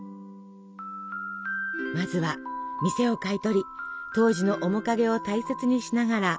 まずは店を買い取り当時の面影を大切にしながら修復。